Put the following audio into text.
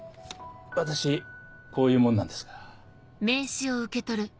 私こういう者なんですが。